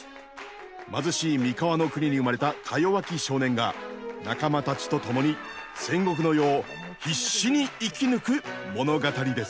貧しい三河の国に生まれたかよわき少年が仲間たちと共に戦国の世を必死に生き抜く物語です。